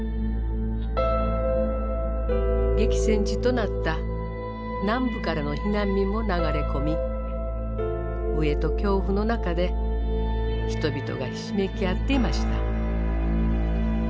激戦地となった南部からの避難民も流れ込み飢えと恐怖の中で人々がひしめき合っていました。